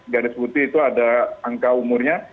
gadis putih itu ada angka umurnya